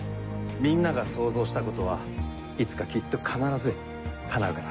みんなが想像したことはいつかきっと必ず叶うから。